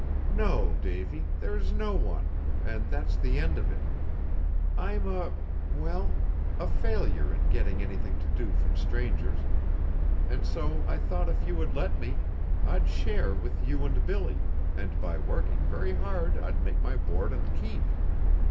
"No, Davy, there is no one, and that's the end of it! I'm a well, a failure in getting anything to do from strangers, and so I thought if you would let me, I'd share with you and Billy, and by working very hard I'd make my board and keep."